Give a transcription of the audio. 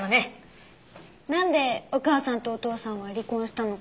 なんでお母さんとお父さんは離婚したのか？